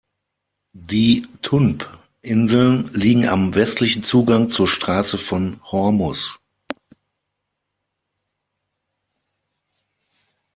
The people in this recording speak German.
Die Tunb-Inseln liegen am westlichen Zugang zur Straße von Hormus.